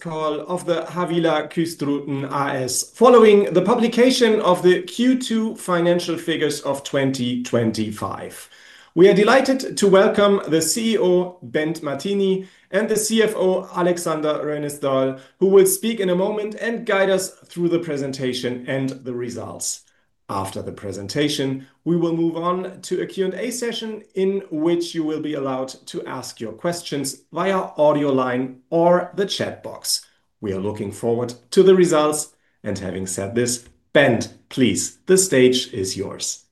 Call of Havila Kystruten AS. Following the publication of the Q2 financial figures of 2025, we are delighted to welcome the CEO, Bent Martini, and the CFO, Aleksander Røynesdal, who will speak in a moment and guide us through the presentation and the results. After the presentation, we will move on to a Q&A session in which you will be allowed to ask your questions via our audio line or the chat box. We are looking forward to the results. Having said this, Bent, please, the stage is yours.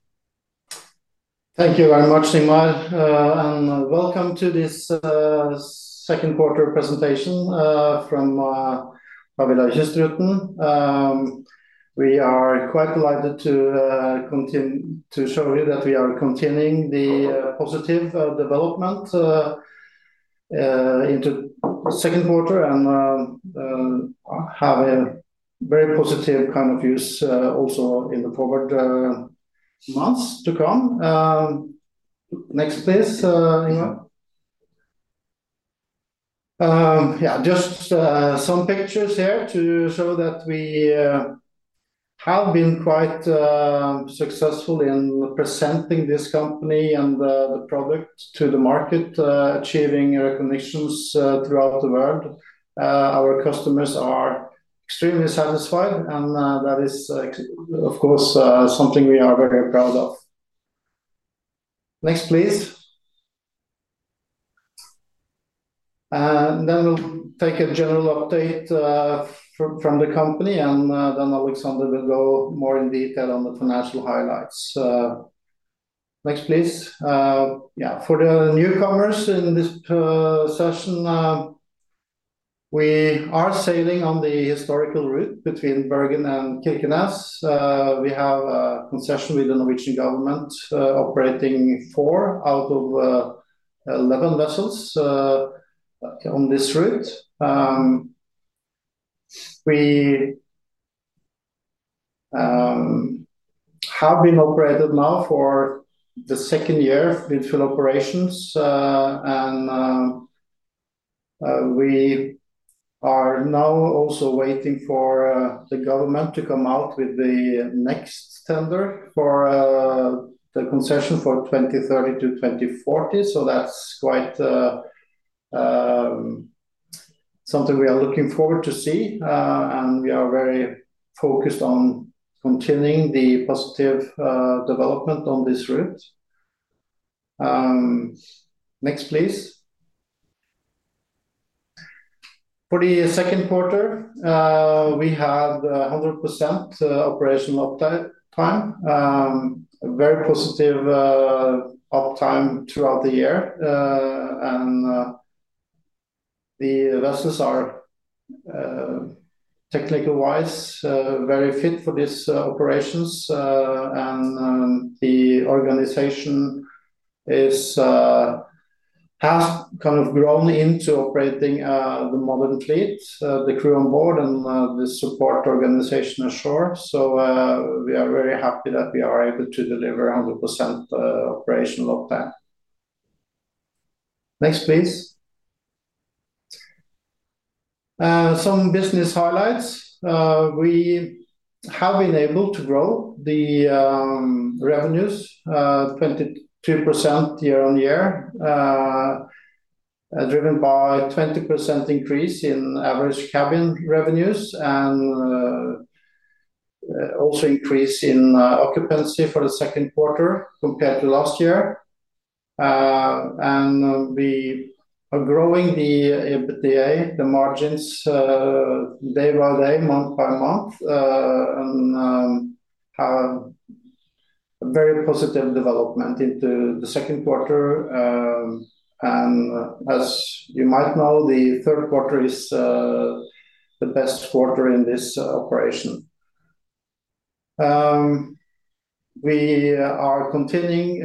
Thank you very much, [Ingmar]. Welcome to this second quarter presentation from Havila Kystruten. We are quite delighted to show you that we are continuing the positive development into the second quarter and have very positive kind of views also in the forward months to come. Next, please, [Ingmar]. Just some pictures here to show that we have been quite successful in presenting this company and the product to the market, achieving recognitions throughout the world. Our customers are extremely satisfied, and that is, of course, something we are very proud of. Next, please. We will take a general update from the company, and then Aleksander will go more in detail on the financial highlights. Next, please. For the newcomers in this session, we are sailing on the historical route between Bergen and Kirkenes. We have a concession with the Norwegian Ministry of Transport and Communications operating four out of 11 vessels on this route. We have been operating now for the second year of digital operations, and we are now also waiting for the government to come out with the next tender for the concession for 2030 to 2040. That is quite something we are looking forward to see, and we are very focused on continuing the positive development on this route. Next, please. For the second quarter, we had 100% operational uptime, a very positive uptime throughout the year, and the vessels are technical-wise very fit for these operations. The organization has kind of grown into operating the modern fleet, the crew on board, and the support organization ashore. We are very happy that we are able to deliver 100% operational uptime. Next, please. Some business highlights. We have been able to grow the revenues 22% year on year, driven by a 20% increase in average cabin revenues and also an increase in occupancy for the second quarter compared to last year. We are growing the EBITDA, the margins, day by day, month by month, and have a very positive development into the second quarter. As you might know, the third quarter is the best quarter in this operation. We are continuing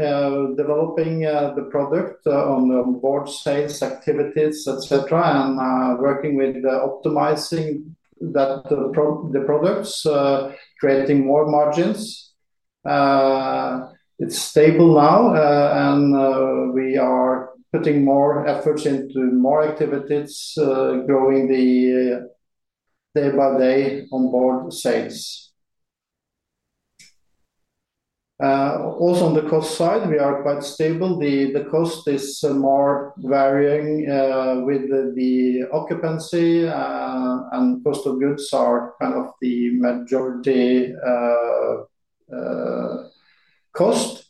developing the product on onboard sales, activities, etc., and working with optimizing the products, creating more margins. It is stable now, and we are putting more effort into more activities, growing the day-by-day onboard sales. Also, on the cost side, we are quite stable. The cost is more varying with the occupancy, and the cost of goods are kind of the majority cost.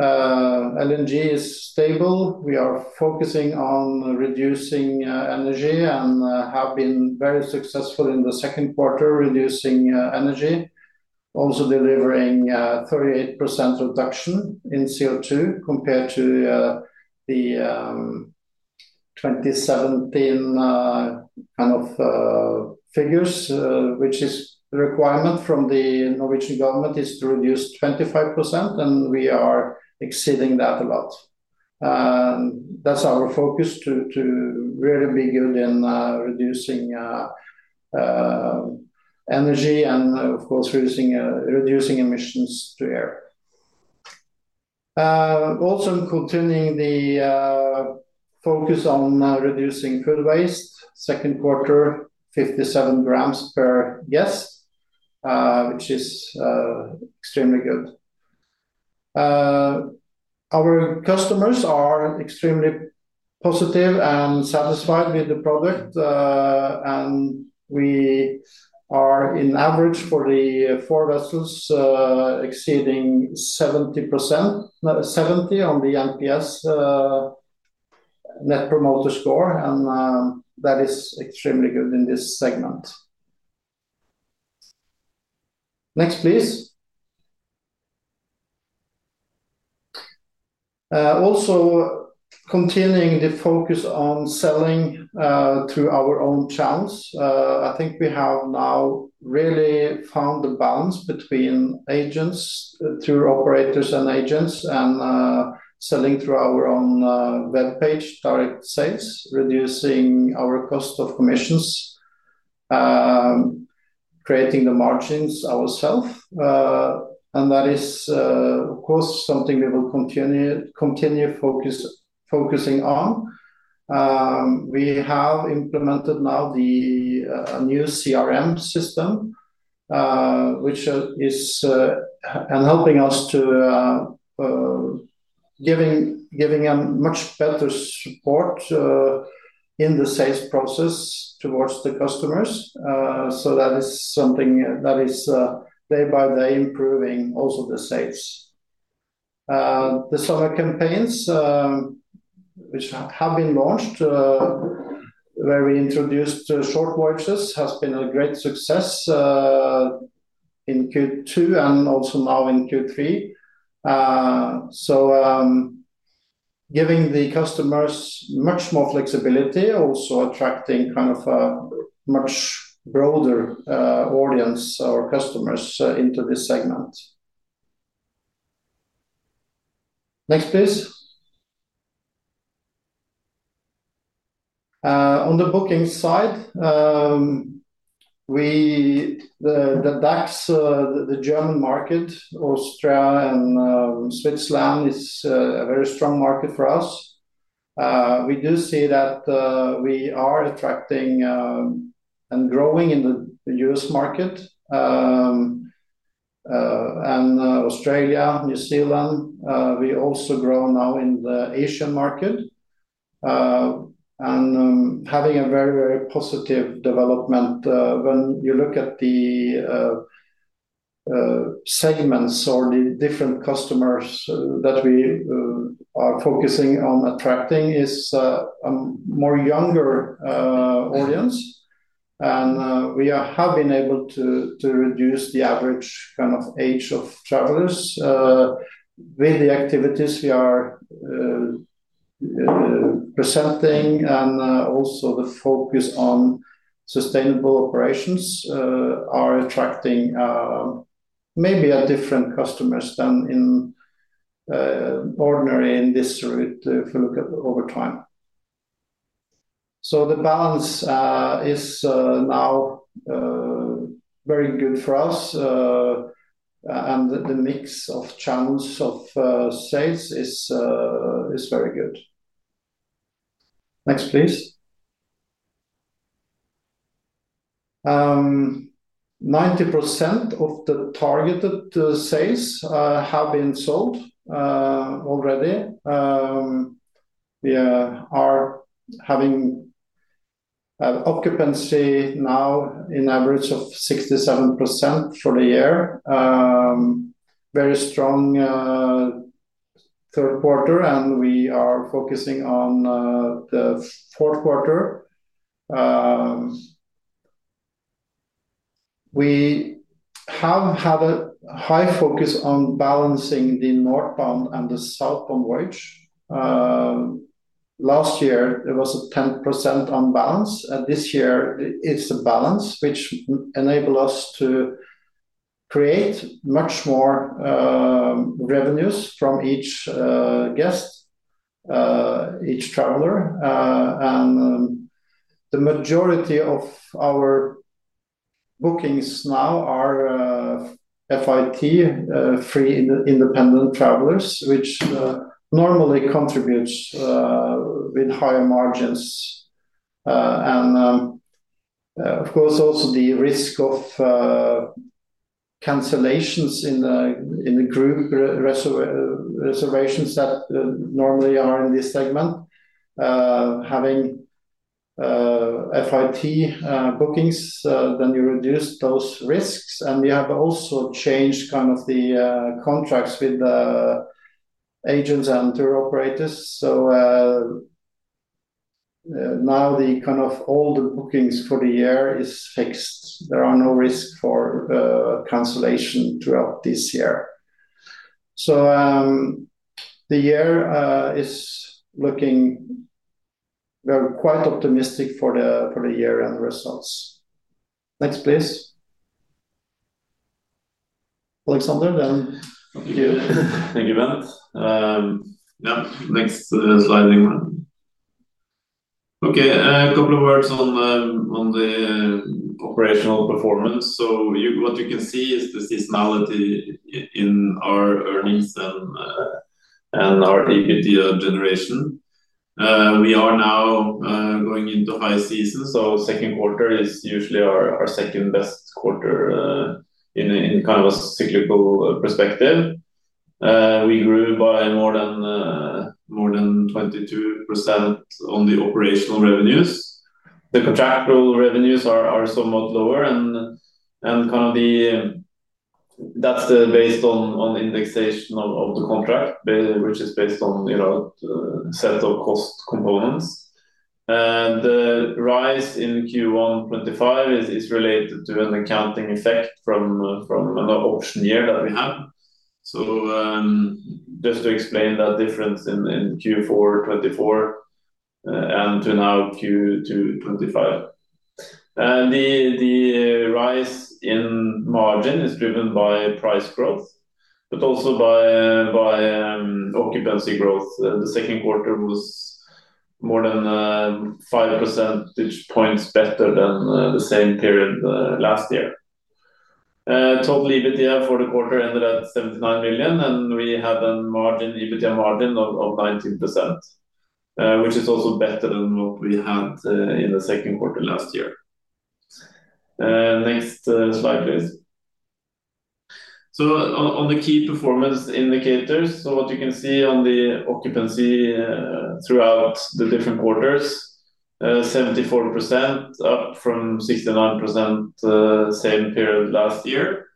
LNG is stable. We are focusing on reducing energy and have been very successful in the second quarter reducing energy, also delivering a 38% reduction in CO2 compared to the 2017 kind of figures, which is the requirement from the Norwegian government is to reduce 25%, and we are exceeding that a lot. That is our focus to really be good in reducing energy and, of course, reducing emissions to air. Also, in continuing the focus on reducing food waste, second quarter, 57 grams per guest, which is extremely good. Our customers are extremely positive and satisfied with the product, and we are in average for the four vessels exceeding 70% on the NPS, Net Promoter Score, and that is extremely good in this segment. Next, please. Also, continuing the focus on selling through our own channels. I think we have now really found the balance between operators and agents and selling through our own web page, direct sales, reducing our cost of commissions, creating the margins ourselves. That is, of course, something we will continue focusing on. We have implemented now the new CRM system, which is helping us to giving a much better support in the sales process towards the customers. That is something that is day by day improving also the sales. The summer campaigns, which have been launched, where we introduced short voyages, have been a great success in Q2 and also now in Q3. Giving the customers much more flexibility, also attracting kind of a much broader audience, our customers into this segment. Next, please. On the booking side, the DACH, the German market, Austria and Switzerland is a very strong market for us. We do see that we are attracting and growing in the U.S. market and Australia, New Zealand. We also grow now in the Asian market and having a very, very positive development. When you look at the segments or the different customers that we are focusing on attracting, it's a more younger audience. We have been able to reduce the average kind of age of travelers with the activities we are presenting and also the focus on sustainable operations are attracting maybe different customers than in ordinary in this route if you look at over time. The balance is now very good for us, and the mix of channels of sales is very good. Next, please. 90% of the targeted sales have been sold already. We are having occupancy now in an average of 67% for the year. Very strong third quarter, and we are focusing on the fourth quarter. We have had a high focus on balancing the northbound and the southbound voyage. Last year, it was a 10% unbalance, and this year, it's a balance which enables us to create much more revenues from each guest, each traveler. The majority of our bookings now are FIT, free independent travelers, which normally contribute with higher margins. Of course, also the risk of cancellations in the group reservations that normally are in this segment. Having FIT bookings, then you reduce those risks. We have also changed kind of the contracts with the agents and tour operators. Now the kind of all the bookings for the year are fixed. There are no risks for cancellation throughout this year. The year is looking quite optimistic for the year and results. Next, please. Aleksander, then? Thank you, Bent. Now, next slide. Okay, a couple of words on the operational performance. What you can see is the seasonality in our earnings and our EBITDA generation. We are now going into high season. Second quarter is usually our second best quarter in kind of a cyclical perspective. We grew by more than 22% on the operational revenues. The contractual revenues are somewhat lower, and kind of that's based on indexation of the contract, which is based on, you know, the set of cost components. The rise in Q1 2025 is related to an accounting effect from an auction year that we have. Just to explain that difference in Q4 2024 and to now Q2 2025. The rise in margin is driven by price growth, but also by occupancy growth. The second quarter was more than 5 percentage points better than the same period last year. Total EBITDA for the quarter ended at 79 million, and we have an EBITDA margin of 19%, which is also better than what we had in the second quarter last year. Next slide, please. On the key performance indicators, what you can see on the occupancy throughout the different quarters, 74% up from 69% same period last year.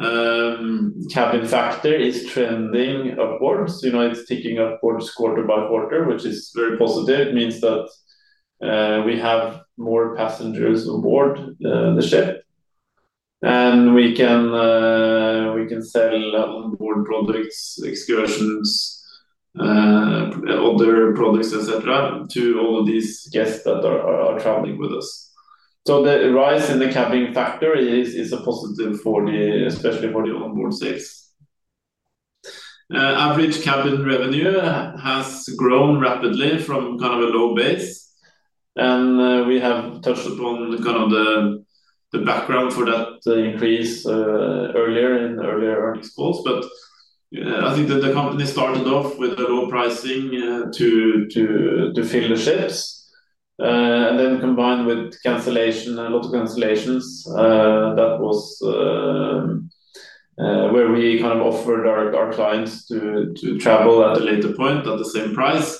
Cabin factor is trending, of course. You know, it's ticking up quarter by quarter, which is very positive. It means that we have more passengers aboard the ship, and we can sell onboard products, excursions, other products, etc., to all of these guests that are traveling with us. The rise in the cabin factor is a positive for the, especially for the onboard sales. Average cabin revenue has grown rapidly from kind of a low base. We have touched upon kind of the background for that increase earlier in the earlier early schools. I think that the company started off with a low pricing to fill the ships. Combined with a lot of cancellations, that was where we kind of offered our clients to travel at a later point at the same price.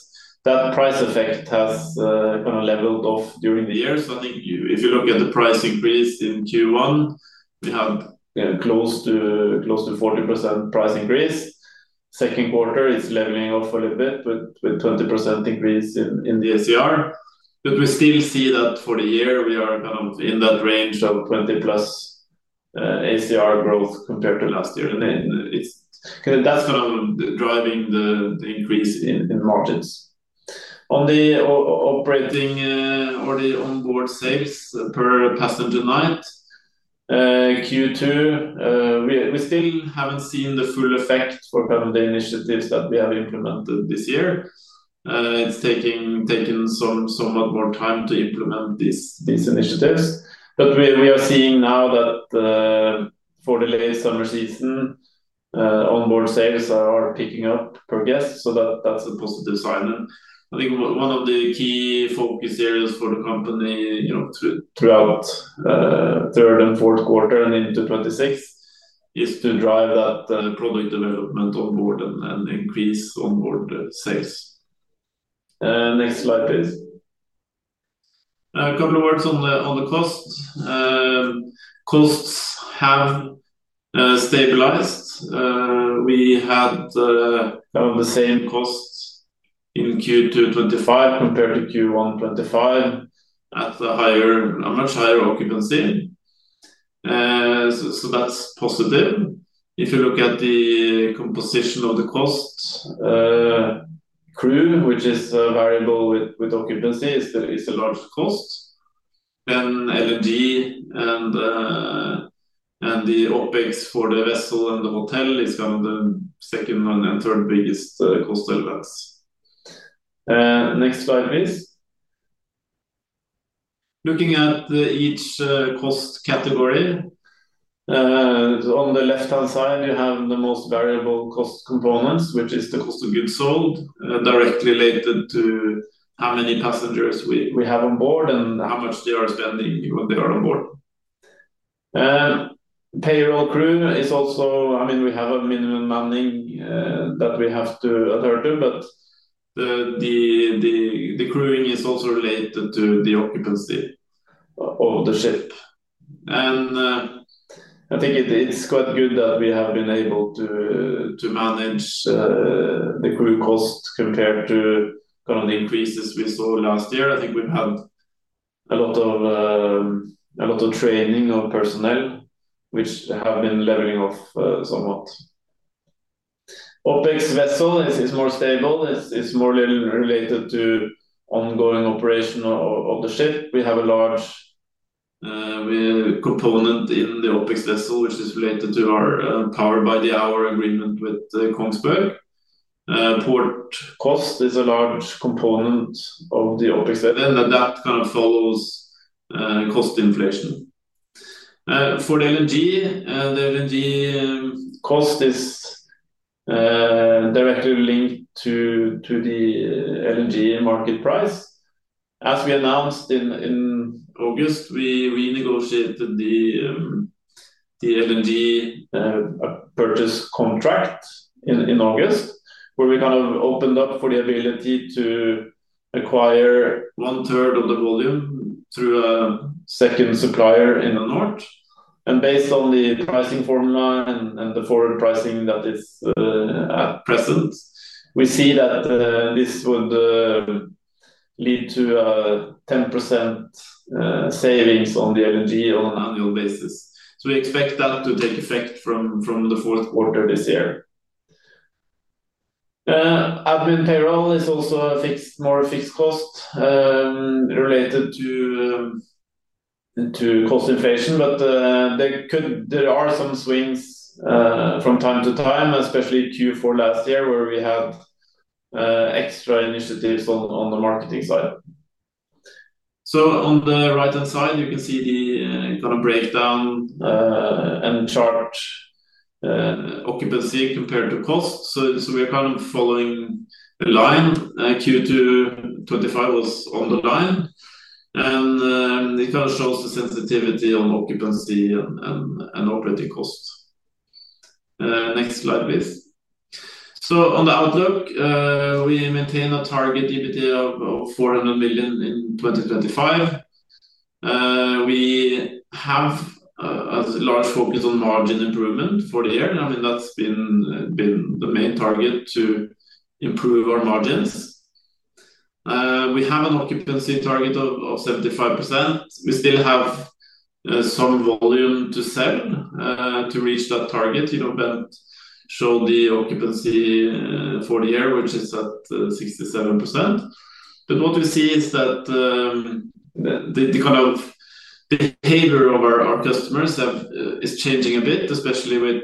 That price effect has kind of leveled off during the year. If you look at the price increase in Q1, we have close to 40% price increase. In the second quarter, it's leveling off a little bit with 20% increase in the ACR. We still see that for the year, we are kind of in that range of 20%+ ACR growth compared to last year. That's kind of driving the increase in margins. On the operating or the onboard sales per passenger night, in Q2, we still haven't seen the full effect for the initiatives that we have implemented this year. It's taken somewhat more time to implement these initiatives. We are seeing now that for the later summer season, onboard sales are picking up per guest. That's a positive sign. I think one of the key focus areas for the company throughout the third and fourth quarter and into 2026 is to drive that product development onboard and increase onboard sales. Next slide, please. A couple of words on the cost. Costs have stabilized. We had kind of the same cost in Q2 2025 compared to Q1 2025 at a much higher occupancy. That's positive. If you look at the composition of the cost, crew, which is variable with occupancy, is a large cost. Then LNG and the OpEx for the vessel and the hotel is one of the second and third biggest cost elements. Next slide, please. Looking at each cost category, on the left-hand side, you have the most variable cost components, which is the cost of goods sold, directly related to how many passengers we have on board and how much they are spending when they are on board. Payroll crew is also, I mean, we have a minimum manning that we have to adhere to, but the crewing is also related to the occupancy of the ship. I think it's quite good that we have been able to manage the crew cost compared to the increases we saw last year. I think we've had a lot of training of personnel, which have been leveling off somewhat. OpEx vessel is more stable. It's more related to ongoing operation of the ship. We have a large component in the OpEx vessel, which is related to our powered by the hour agreement with Kongsberg. Port cost is a large component of the OpEx, and that kind of follows cost inflation. For the LNG, the LNG cost is directly linked to the LNG market price. As we announced in August, we renegotiated the LNG purchase contract in August, where we kind of opened up for the ability to acquire one-third of the volume through a second supplier in Denmark. Based on the pricing formula and the forward pricing that is present, we see that this would lead to a 10% savings on the LNG on an annual basis. We expect that to take effect from the fourth quarter this year. Admin payroll is also a more fixed cost related to cost inflation, but there are some swings from time to time, especially Q4 last year, where we had extra initiatives on the marketing side. On the right-hand side, you can see the kind of breakdown and chart occupancy compared to cost. We are kind of following the line. Q2 2025 was on the line, and it kind of shows the sensitivity on occupancy and operating cost. Next slide, please. On the outlook, we maintain a target EBITDA of 400 million in 2025. We have a large focus on margin improvement for the year. I mean, that's been the main target to improve our margins. We have an occupancy target of 75%. We still have some volume to sell to reach that target. You don't show the occupancy for the year, which is at 67%. What we see is that the kind of behavior of our customers is changing a bit, especially with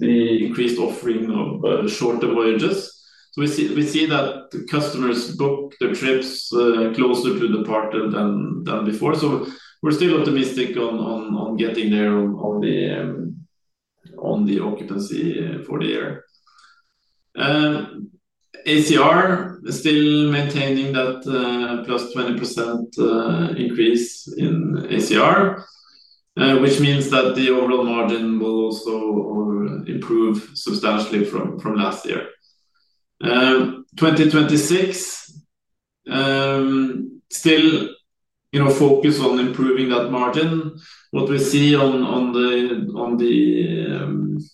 the increased offering of shorter voyages. We see that customers book their trips closer to the partner than before. We're still optimistic on getting there on the occupancy for the year. ACR is still maintaining that +20% increase in ACR, which means that the overall margin will also improve substantially from last year. 2026, still, you know, focus on improving that margin. What we see on the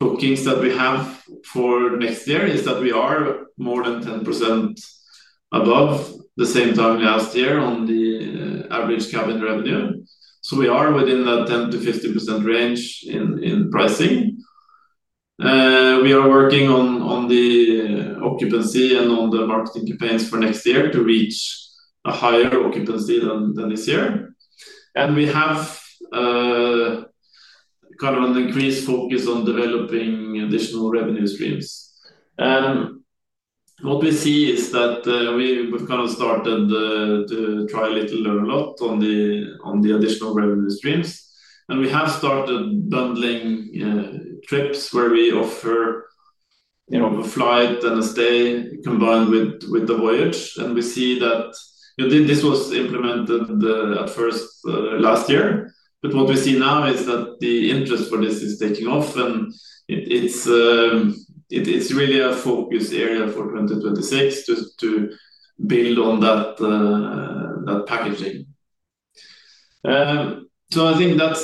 bookings that we have for next year is that we are more than 10% above the same time last year on the average cabin revenue. We are within that 10%-15% range in pricing. We are working on the occupancy and on the marketing campaigns for next year to reach a higher occupancy than this year. We have kind of an increased focus on developing additional revenue streams. What we see is that we kind of started to try a little, learn a lot on the additional revenue streams. We have started bundling trips where we offer a flight and a stay combined with the voyage. We see that this was implemented at first last year. What we see now is that the interest for this is taking off. It is really a focus area for 2026 just to build on that packaging. I think that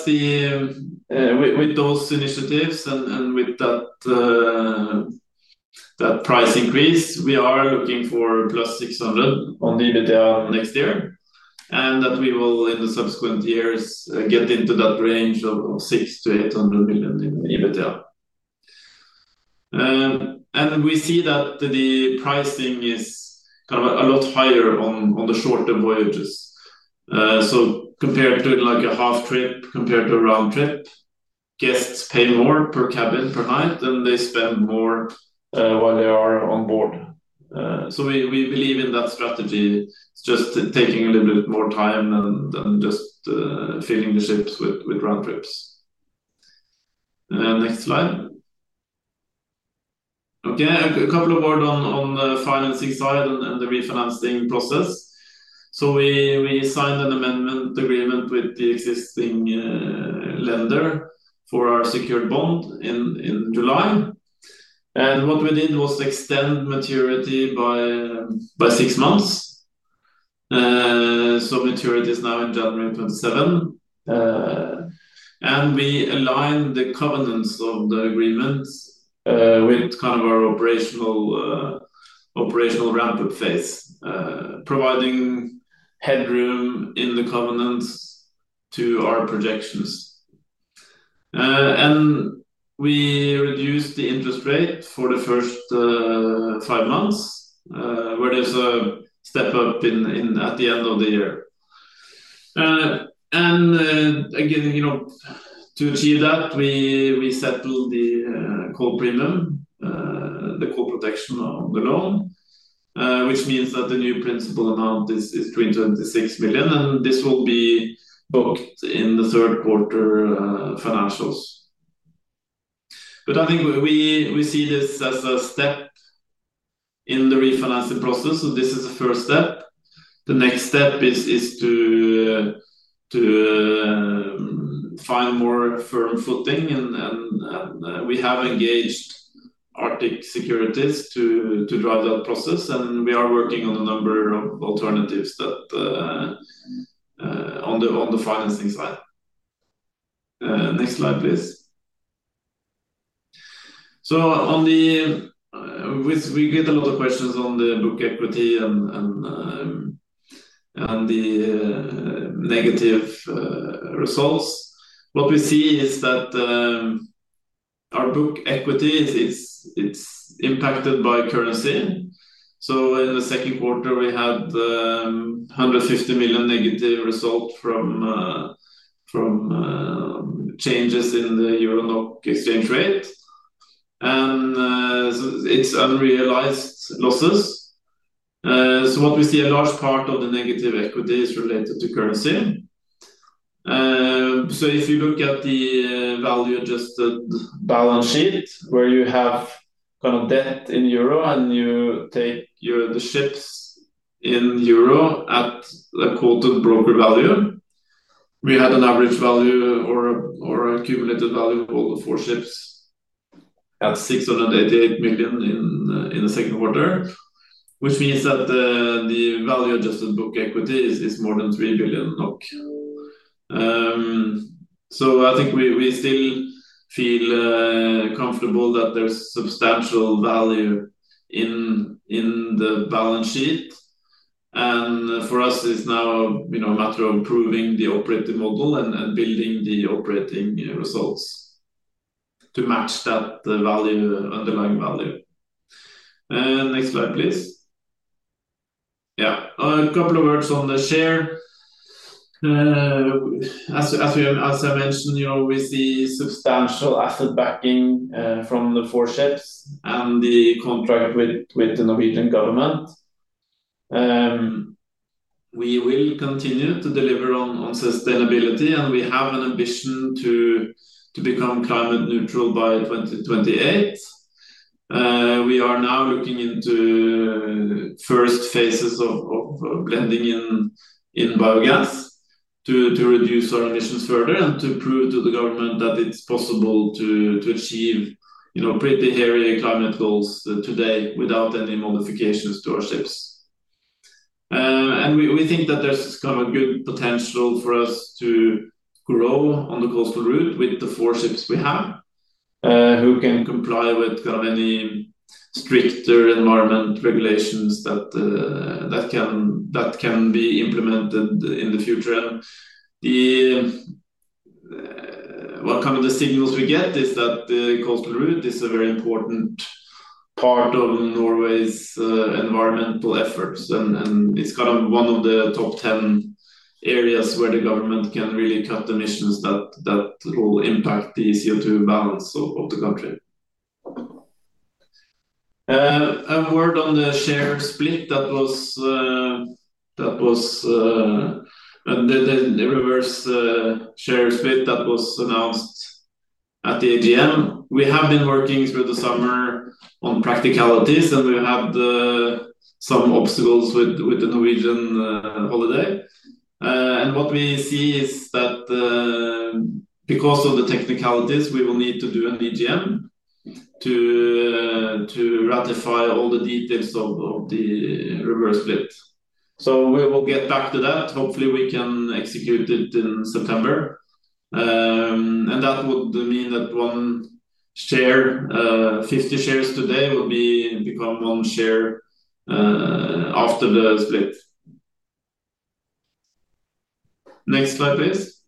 with those initiatives and with that price increase, we are looking for plus 600 million on the EBITDA next year. We will, in the subsequent years, get into that range of 600 million-800 million in EBITDA. We see that the pricing is a lot higher on the shorter voyages. Compared to a half trip compared to a round trip, guests pay more per cabin per night, and they spend more while they are on board. We believe in that strategy. It is just taking a little bit more time than just filling the ships with round trips. Next slide. A couple of words on the financing side and the refinancing process. We signed an amendment agreement with the existing lender for our secured bond in July. What we did was extend maturity by six months. Maturity is now in January 2027. We aligned the covenants of the agreement with our operational ramp-up phase, providing headroom in the covenants to our projections. We reduced the interest rate for the first five months, where there is a step up at the end of the year. To achieve that, we settled the co-premium, the co-protection on the loan, which means that the new principal amount is 326 million. This will be booked in the third quarter financials. We see this as a step in the refinancing process. This is the first step. The next step is to find more firm footing. We have engaged Arctic Securities to drive that process. We are working on a number of alternatives on the financing side. Next slide, please. We get a lot of questions on the book equity and the negative results. What we see is that our book equity is impacted by currency. In the second quarter, we had 150 million negative results from changes in the euro-NOK exchange rate and some unrealized losses. What we see, a large part of the negative equity is related to currency. If you look at the value-adjusted balance sheet, where you have debt in euro and you take the ships in euro at the quoted brokered value, we had an average value or a cumulative value for ships at 688 million in the second quarter, which means that the value-adjusted book equity is more than 3 billion. We still feel comfortable that there is substantial value in the balance sheet. For us, it's now a matter of improving the operating model and building the operating results to match that value, underlying value. Next slide, please. A couple of words on the share. As I mentioned, we see substantial asset backing from the four ships and the contract with the Norwegian government. We will continue to deliver on sustainability, and we have an ambition to become climate neutral by 2028. We are now looking into the first phases of blending in biogas to reduce our emissions further and to prove to the government that it's possible to achieve pretty hairy climate goals today without any modifications to our ships. We think that there's kind of good potential for us to grow on the coastal route with the four ships we have, which can comply with the stricter environment regulations that can be implemented in the future. One of the signals we get is that the coastal route is a very important part of Norway's environmental efforts. It is one of the top 10 areas where the government can really cut emissions that will impact the CO2 balance of the country. A word on the share split and then the reverse share split that was announced at the AGM. We have been working through the summer on practicalities, and we had some obstacles with the Norwegian holiday. What we see is that because of the technicalities, we will need to do an AGM to ratify all the details of the reverse split. We will get back to that. Hopefully, we can execute it in September. That would mean that 50 shares today would become one share after the split. Next slide, please.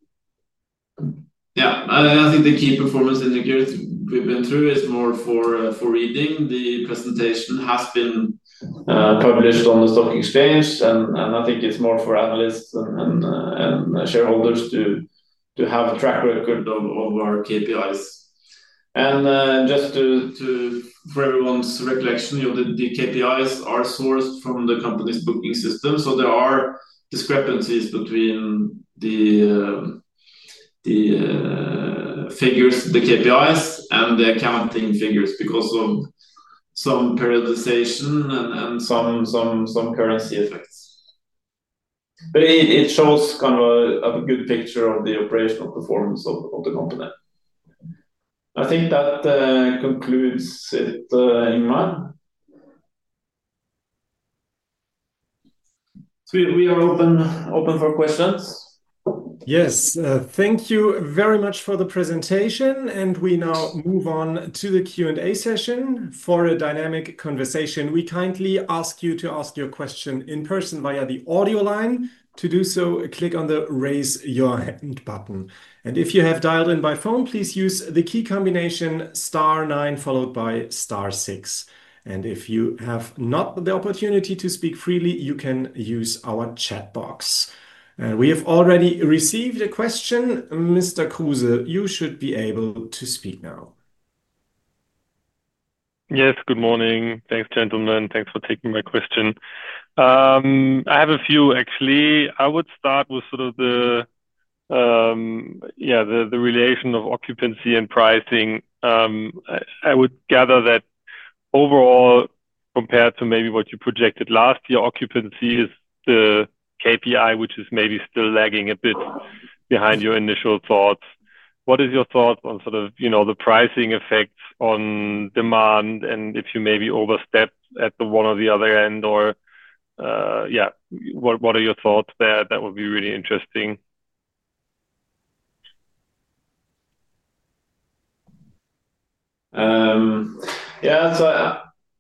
I think the key performance indicators we've been through are more for reading. The presentation has been published on the stock exchange, and I think it's more for analysts and shareholders to have a track record of our KPIs. Just for everyone's recollection, the KPIs are sourced from the company's booking system. There are discrepancies between the figures, the KPIs, and the accounting figures because of some periodization and some currency effects. It shows a good picture of the operational performance of the company. I think that concludes it, [Ingmar]. We are open for questions. Yes, thank you very much for the presentation. We now move on to the Q&A session. For a dynamic conversation, we kindly ask you to ask your question in person via the audio line. To do so, click on the Raise Your Hand button. If you have dialed in by phone, please use the key combination *9 followed by *6. If you have not the opportunity to speak freely, you can use our chat box. We have already received a question. [Mr. Kuse], you should be able to speak now. Yes, good morning. Thanks, gentlemen. Thanks for taking my question. I have a few, actually. I would start with the relation of occupancy and pricing. I would gather that overall, compared to maybe what you projected last year, occupancy is the KPI which is maybe still lagging a bit behind your initial thoughts. What are your thoughts on the pricing effects on demand and if you maybe overstep at the one or the other end? What are your thoughts there? That would be really interesting.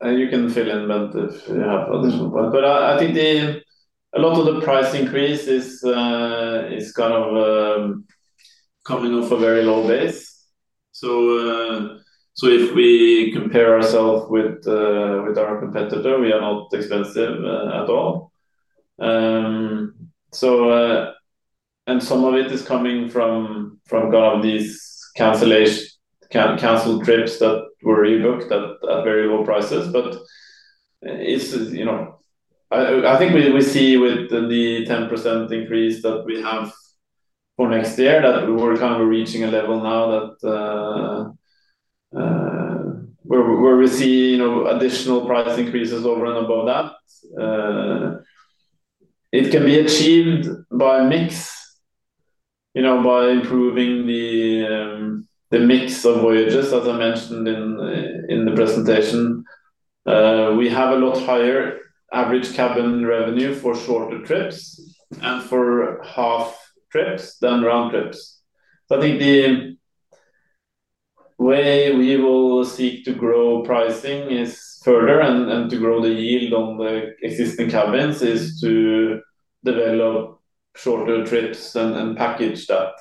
You can fill in, Bent, if you have others. I think a lot of the price increase is coming off a very low base. If we compare ourselves with our competitor, we are not expensive at all. Some of it is coming from these canceled trips that were e-booked at very low prices. I think we see with the 10% increase that we have for next year that we're reaching a level now where we see additional price increases over and above that. It can be achieved by a mix, by improving the mix of voyages, as I mentioned in the presentation. We have a lot higher average cabin revenue for shorter trips and for half trips than round trips. I think the way we will seek to grow pricing further and to grow the yield on the existing cabins is to develop shorter trips and package that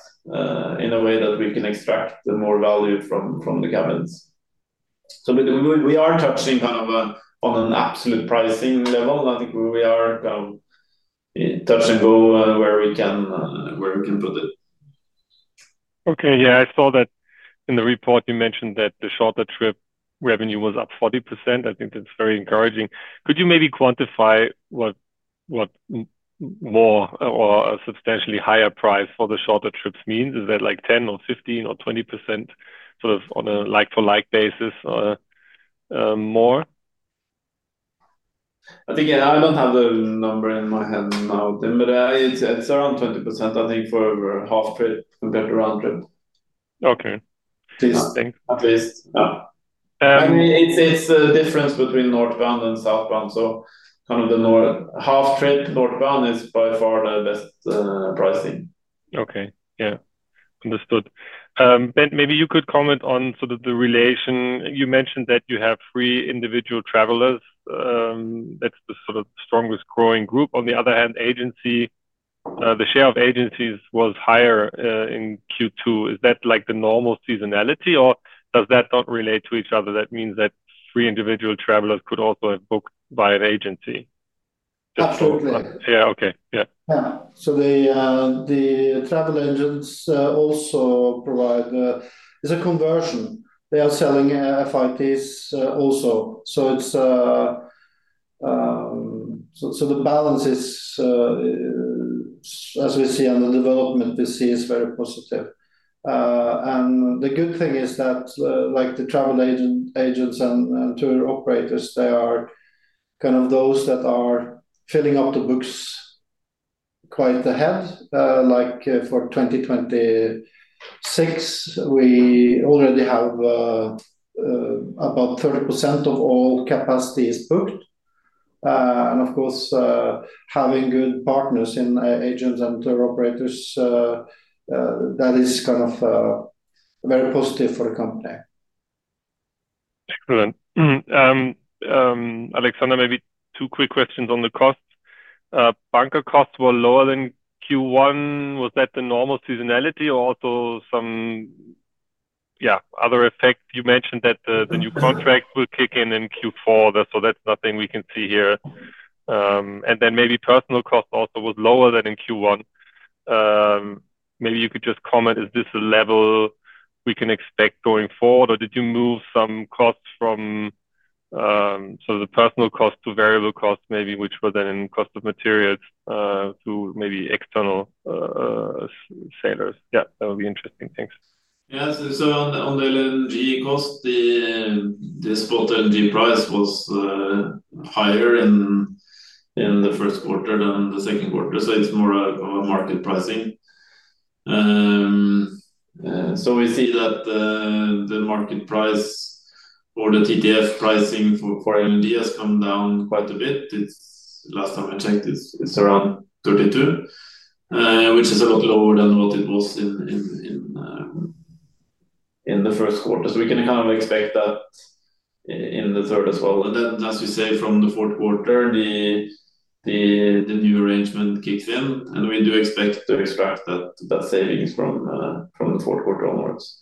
in a way that we can extract more value from the cabins. We are touching on an absolute pricing level. I think we are touch and go where we can put it. Okay. Yeah, I saw that in the report, you mentioned that the shorter trip revenue was up 40%. I think that's very encouraging. Could you maybe quantify what more or a substantially higher price for the shorter trips means? Is that like 10% or 15% or 20% sort of on a like-for-like basis or more? I don't have the number in my head now, Tim, but it's around 20% for half trip compared to round trip. Okay. At least. Thanks. At least. Yeah. I mean, it's a difference between northbound and southbound. The north half trip northbound is by far the best pricing. Okay. Yeah. Understood. Bent, maybe you could comment on sort of the relation. You mentioned that you have three individual travelers. That's the sort of strongest growing group. On the other hand, the share of agencies was higher in Q2. Is that like the normal seasonality, or does that not relate to each other? That means that three individual travelers could also have booked via agency. Totally. Okay. Yeah. The travel agents also provide a conversion. They are selling FITs also. The balance, as we see under development, we see is very positive. The good thing is that the travel agents and tour operators are kind of those that are filling up the books quite ahead. For 2026, we already have about 30% of all capacity is booked. Of course, having good partners in agents and tour operators is kind of very positive for the company. Excellent. Aleksander, maybe two quick questions on the cost. Banker costs were lower than Q1. Was that the normal seasonality or also some, yeah, other effect? You mentioned that the new contract will kick in in Q4. That's nothing we can see here. Maybe personnel cost also was lower than in Q1. Maybe you could just comment, is this a level we can expect going forward, or did you move some costs from sort of the personnel cost to variable costs, maybe, which were then in cost of materials to maybe external sellers? That would be interesting. Thanks. Yeah. On the LNG cost, the spot LNG price was higher in the first quarter than the second quarter. It's more of a market pricing. We see that the market price or the TTF pricing for core LNG has come down quite a bit. The last time I checked, it's around 32, which is a lot lower than what it was in the first quarter. We can kind of expect that in the third as well. As you say, from the fourth quarter, the new arrangement kicks in. We do expect that saving is from the fourth quarter onwards.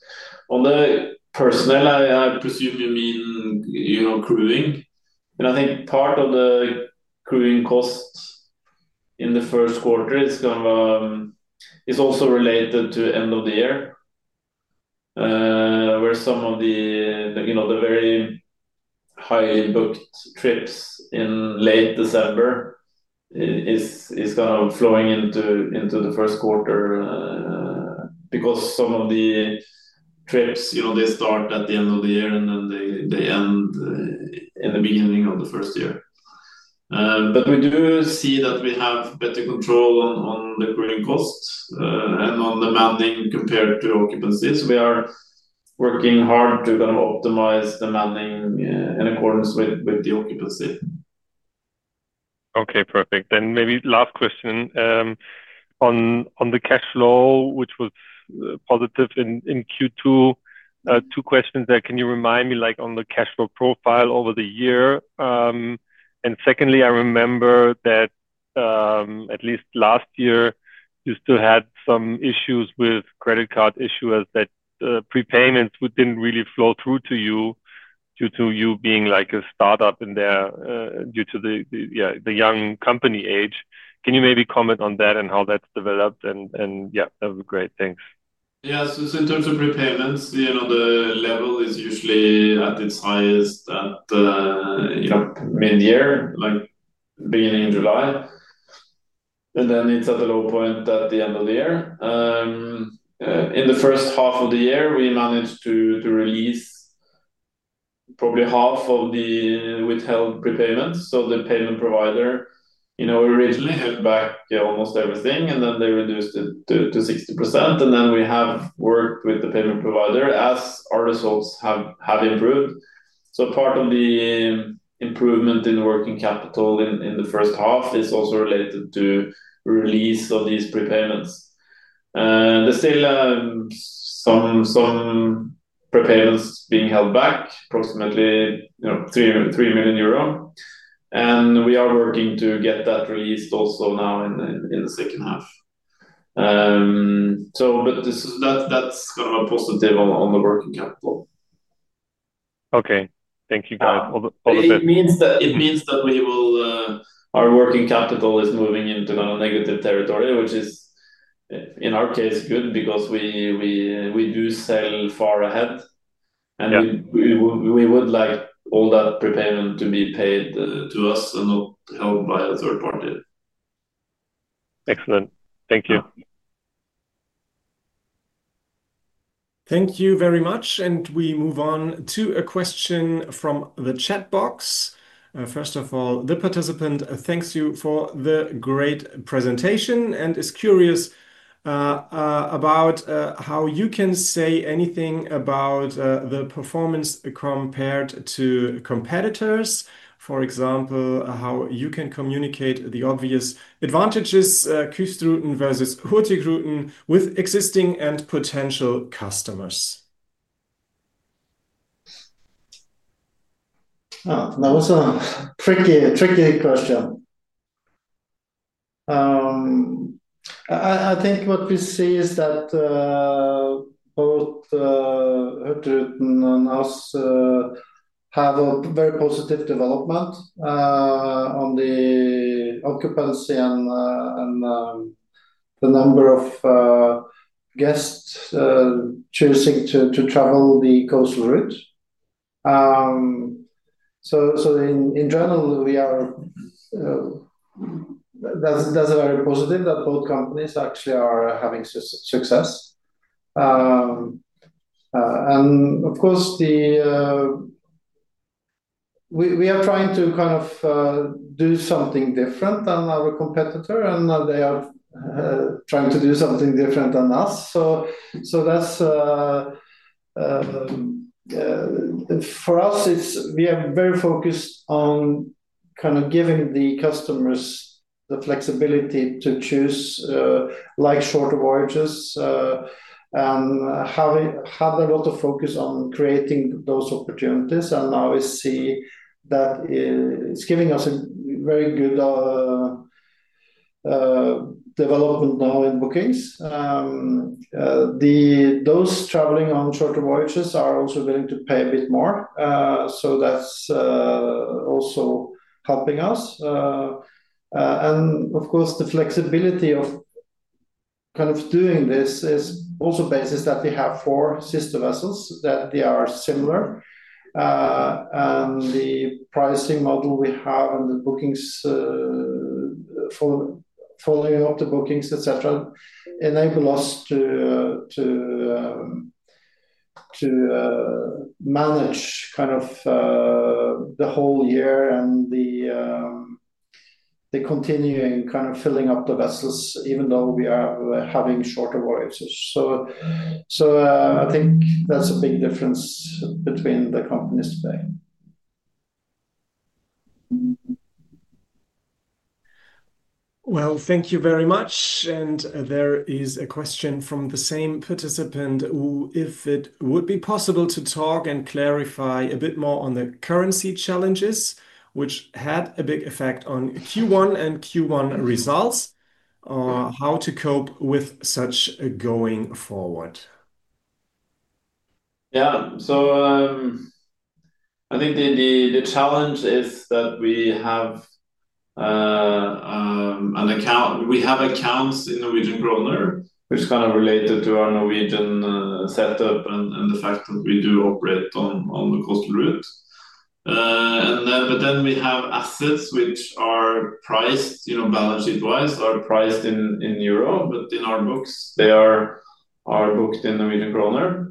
On the personnel, I presume you mean, you know, crewing. I think part of the crewing costs in the first quarter is also related to end of the year, where some of the very highly booked trips in late December are kind of flowing into the first quarter because some of the trips start at the end of the year and then they end in the beginning of the first year. We do see that we have better control on the crewing costs and on the manning compared to occupancy. We are working hard to optimize the manning in accordance with the occupancy. Okay, perfect. Maybe last question. On the cash flow, which was positive in Q2, two questions there. Can you remind me on the cash flow profile over the year? Secondly, I remember that at least last year, you still had some issues with credit card issuers that prepayments didn't really flow through to you due to you being a startup in there due to the young company age. Can you comment on that and how that's developed? That would be great. Thanks. Yeah. In terms of prepayments, the level is usually at its highest at the mid-year, like beginning in July, and then it's at a low point at the end of the year. In the first half of the year, we managed to release probably half of the withheld prepayments. The payment provider originally took back almost everything, and then they reduced it to 60%. We have worked with the payment provider as our results have improved. Part of the improvement in working capital in the first half is also related to the release of these prepayments. There's still some prepayments being held back, approximately 3 million euro, and we are working to get that released also now in the second half. That's kind of a positive on the working capital. Okay. Thank you. It means that our working capital is moving into kind of negative territory, which is in our case good because we do sell far ahead. We would like all that prepayment to be paid to us and not held by the report data. Excellent. Thank you. Thank you very much. We move on to a question from the chat box. First of all, the participant thanks you for the great presentation and is curious about how you can say anything about the performance compared to competitors. For example, how you can communicate the obvious advantages, Kystruten versus Hurtigruten, with existing and potential customers. That was a tricky question. I think what we see is that both Hurtigruten and us have a very positive development on the occupancy and the number of guests choosing to travel the coastal route. In general, that's very positive that both companies actually are having success. Of course, we are trying to kind of do something different than our competitor, and they are trying to do something different than us. For us, we are very focused on kind of giving the customers the flexibility to choose like shorter voyages. We had a lot of focus on creating those opportunities. Now we see that it's giving us a very good development now in bookings. Those traveling on shorter voyages are also willing to pay a bit more. That's also helping us. The flexibility of kind of doing this is also based on that we have four sister vessels that are similar. The pricing model we have and the bookings, following up the bookings, etc., enable us to manage kind of the whole year and the continuing kind of filling up the vessels, even though we are having shorter voyages. I think that's a big difference between the companies today. Thank you very much. There is a question from the same participant if it would be possible to talk and clarify a bit more on the currency challenges, which had a big effect on Q1 and Q1 results, or how to cope with such going forward. Yeah. I think the challenge is that we have accounts in NOK, which is kind of related to our Norwegian setup and the fact that we do operate on the coastal route. Then we have assets which are priced, you know, balance sheet-wise, are priced in euro, but in our books, they are booked in NOK.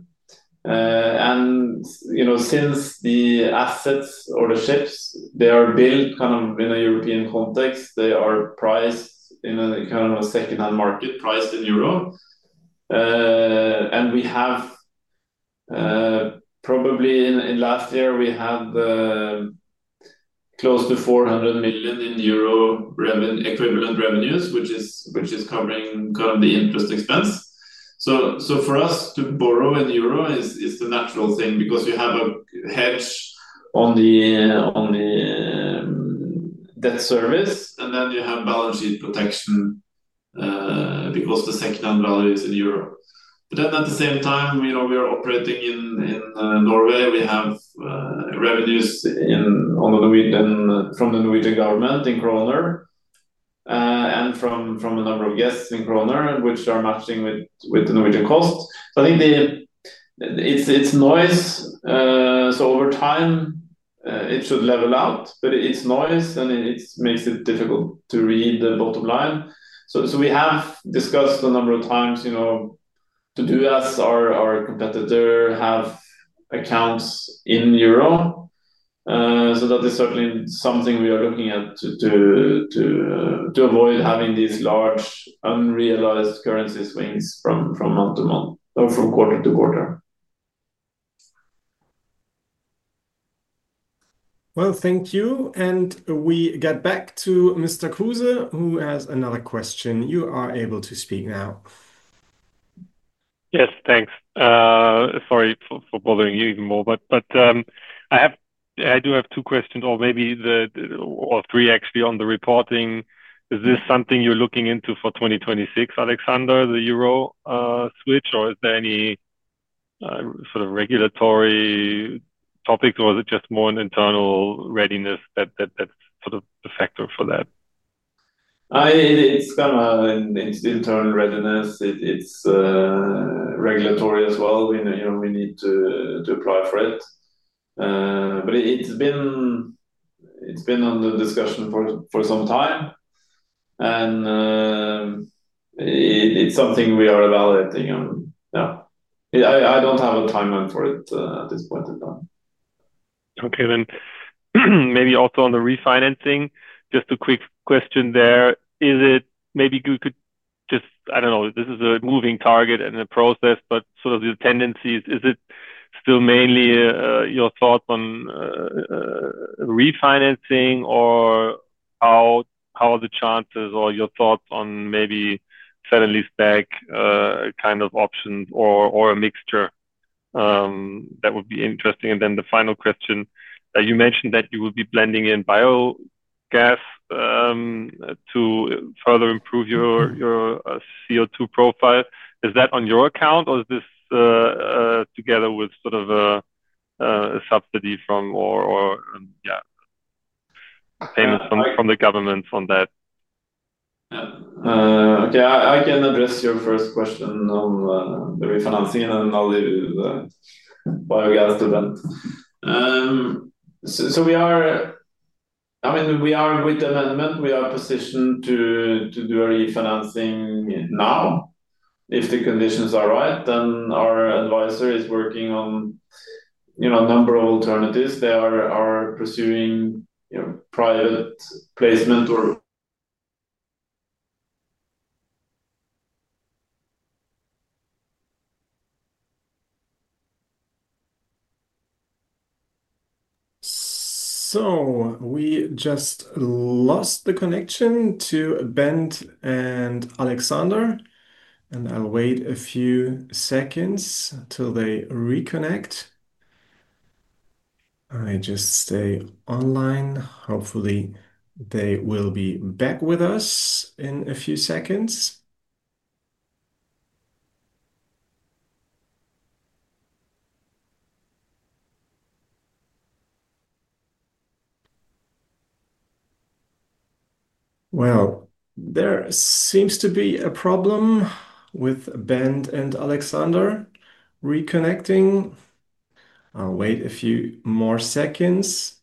You know, since the assets or the ships, they are built kind of in a European context, they are priced in a kind of second-hand market, priced in euro. We have probably in last year, we have close to 400 million euro in equivalent revenues, which is covering kind of the interest expense. For us to borrow in euro, it's the natural thing because you have a hedge on the debt service, and then you have balance sheet protection because the second-hand value is in euro. At the same time, you know, we are operating in Norway. We have revenues in from the Norwegian government in NOK and from a number of guests in NOK, which are matching with the Norwegian cost. I think it's noise. Over time, it should level out, but it's noise, and it makes it difficult to read the bottom line. We have discussed a number of times, you know, to do as our competitor have accounts in euro. That is certainly something we are looking at to avoid having these large unrealized currency swings from month to month or from quarter to quarter. Thank you. We get back to [Mr. Kuse], who has another question. You are able to speak now. Yes, thanks. Sorry for bothering you even more. I do have two questions, or maybe three actually, on the reporting. Is this something you're looking into for 2026, Aleksander, the euro switch, or is there any sort of regulatory topic, or is it just more an internal readiness that's the factor for that? It's kind of an internal readiness. It's regulatory as well. We need to apply for it. It's been on the discussion for some time. It's something we are evaluating. I don't have a timeline for it at this point in time. Okay. Maybe also on the refinancing, just a quick question there. Is it, maybe we could just, I don't know, this is a moving target in the process, but sort of your tendencies, is it still mainly your thoughts on refinancing, or how are the chances, or your thoughts on maybe a seven-lease-back kind of option or a mixture? That would be interesting. The final question, you mentioned that you will be blending in biogas to further improve your CO2 profile. Is that on your account, or is this together with sort of a subsidy from or, yeah, payments from the governments on that? Yeah, I can address your first question of the refinancing, and I'll leave the biogas to them. We are, I mean, with the amendment, we are positioned to do a refinancing now. If the conditions are right, our advisor is working on a number of alternatives. They are pursuing private placement or... We just lost the connection to Bent and Aleksander, and I'll wait a few seconds until they reconnect. I'll just stay online. Hopefully, they will be back with us in a few seconds. There seems to be a problem with Bent and Aleksander reconnecting. I'll wait a few more seconds.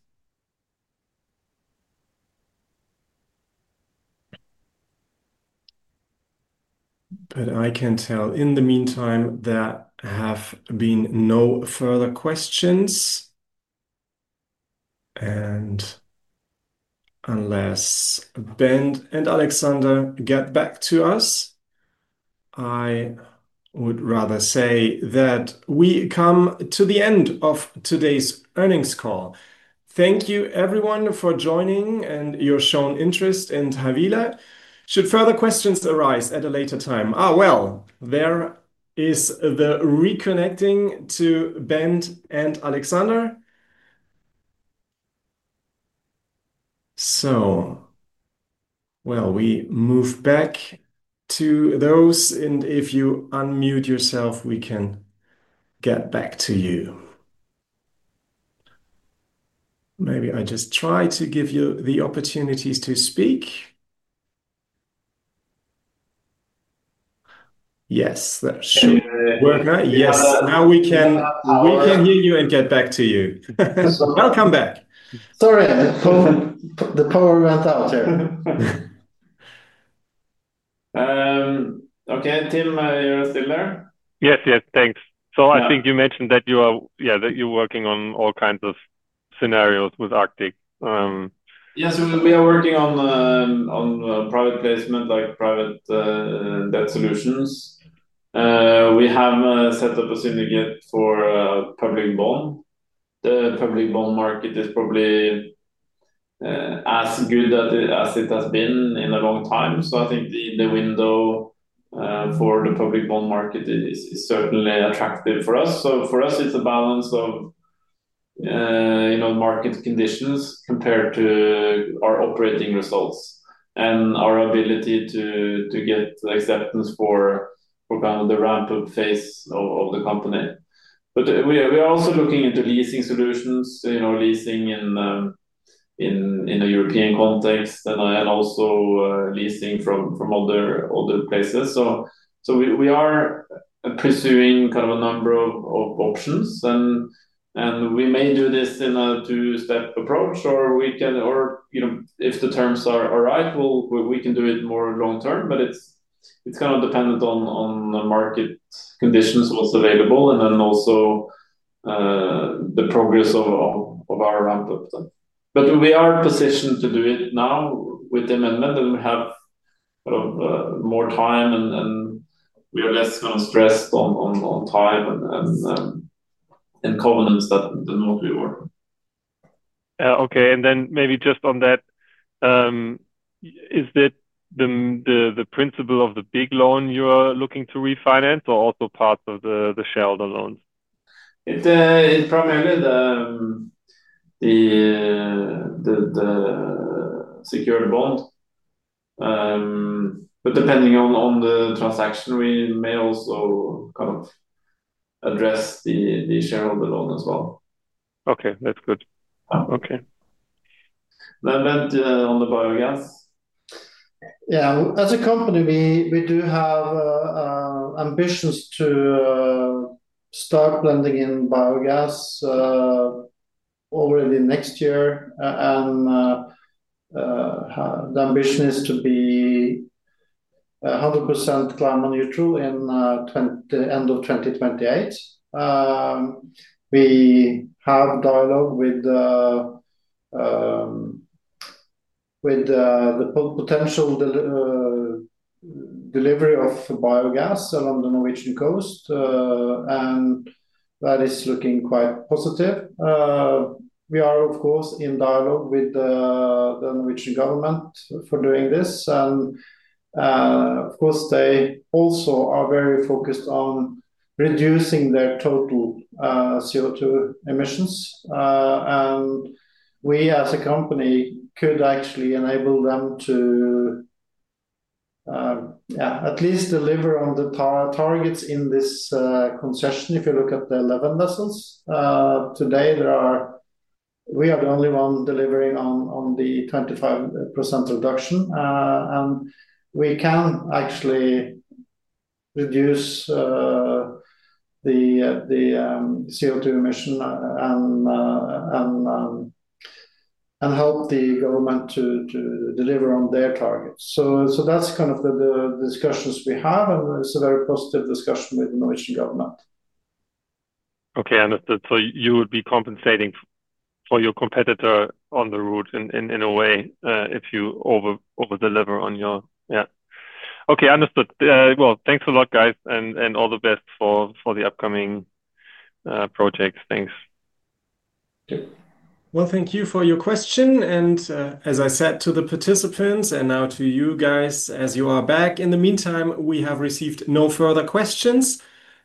I can tell in the meantime there have been no further questions. Unless Bent and Aleksander get back to us, I would rather say that we come to the end of today's earnings call. Thank you, everyone, for joining and your shown interest in Havila Kystruten AS. Should further questions arise at a later time, there is the reconnecting to Bent and Aleksander. We move back to those. If you unmute yourself, we can get back to you. Maybe I just try to give you the opportunities to speak. Yes, that should work now. Yes, now we can hear you and get back to you. Welcome back. Sorry, the phone, the power went out here. Okay, Tim, are you still there? Yes, thanks. I think you mentioned that you are working on all kinds of scenarios with Arctic. Yeah, we are working on private placement, like private debt solutions. We have set up a syndicate for public bond. The public bond market is probably as good as it has been in a long time. I think the window for the public bond market is certainly attractive for us. For us, it's a balance of market conditions compared to our operating results and our ability to get acceptance for kind of the ramp-up phase of the company. We are also looking into leasing solutions, leasing in a European context and also leasing from other places. We are pursuing kind of a number of options. We may do this in a two-step approach, or if the terms are right, we can do it more long-term. It's kind of dependent on the market conditions, what's available, and also the progress of our ramp-up. We are positioned to do it now with the amendment. We have more time, and we are less stressed on time and in covenants than what we were. Okay. Is that the principle of the big loan you're looking to refinance or also part of the shareholder loan? It's primarily the secured bond. Depending on the transaction, we may also kind of address the shareholder loan as well. Okay, that's good. Okay. On the biogas? As a company, we do have ambitions to start blending in biogas over the next year. The ambition is to be 100% climate neutral at the end of 2028. We have a dialogue with the potential delivery of biogas along the Norwegian coast, and that is looking quite positive. We are, of course, in dialogue with the Norwegian government for doing this. They also are very focused on reducing their total CO2 emissions. We, as a company, could actually enable them to at least deliver on the targets in this concession. If you look at the 11 vessels today, we are the only one delivering on the 25% reduction, and we can actually reduce the CO2 emission and help the government to deliver on their targets. That is the kind of discussions we have, and it's a very positive discussion with the Norwegian government. Okay, understood. You would be compensating for your competitor on the route in a way if you over-deliver on your, yeah. Okay, understood. Thanks a lot, guys, and all the best for the upcoming projects. Thanks. Thank you. Thank you for your question. As I said to the participants and now to you, as you are back, in the meantime, we have received no further questions.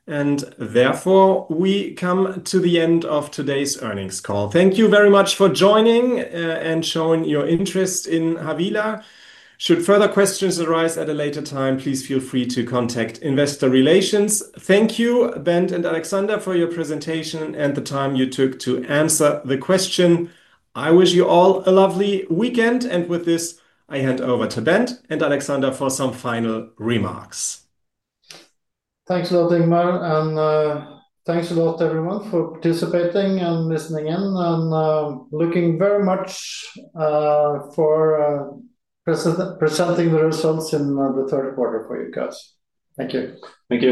Therefore, we come to the end of today's earnings call. Thank you very much for joining and showing your interest in Havila. Should further questions arise at a later time, please feel free to contact investor relations. Thank you, Bent and Aleksander, for your presentation and the time you took to answer the question. I wish you all a lovely weekend. With this, I hand over to Bent and Aleksander for some final remarks. Thanks a lot, [Ingmar]. Thanks a lot, everyone, for participating and listening in. Looking very much forward to presenting the results in the third quarter for you guys. Thank you. Thank you.